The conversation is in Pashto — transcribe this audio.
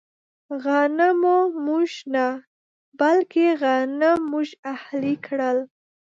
غنمو موږ نه، بلکې غنم موږ اهلي کړل.